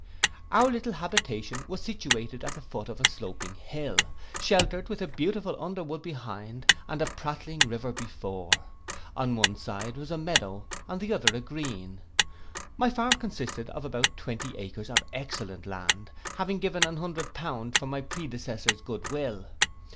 Our little habitation was situated at the foot of a sloping hill, sheltered with a beautiful underwood behind, and a pratling river before; on one side a meadow, on the other a green. My farm consisted of about twenty acres of excellent land, having given an hundred pound for my predecessor's good will.